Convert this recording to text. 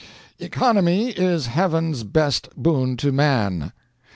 ] economy is heaven's best boon to man."